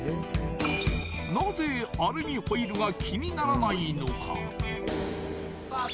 なぜアルミホイルが気にならないのか？